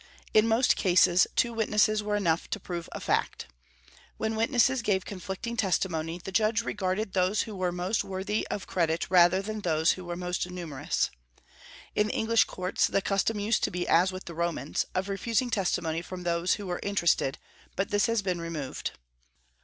In most cases two witnesses were enough to prove a fact. When witnesses gave conflicting testimony, the judge regarded those who were most worthy of credit rather than those who were most numerous. In the English courts the custom used to be as with the Romans, of refusing testimony from those who were interested; but this has been removed.